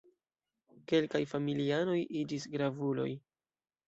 Kelkaj familianoj iĝis gravuloj.